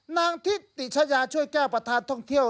นางทิติชายาช่วยแก้วประธานท่องเที่ยว